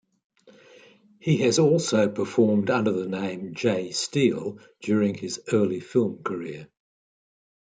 He has also performed under the name J. Steele during his early film career.